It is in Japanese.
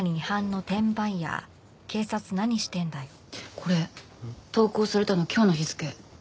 これ投稿されたの今日の日付。